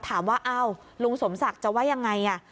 ถามว่าอ้าวลุงสมศักดิ์จะว่ายังไง